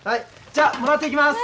じゃもらっていきます。